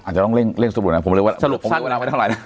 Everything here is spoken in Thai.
อาจจะต้องเล่นสบุหนังผมเรียกว่าน้ำไว้เท่าไหร่นะ